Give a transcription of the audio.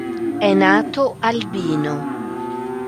È nato albino.